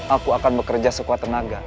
aku akan bekerja sekuat tenaga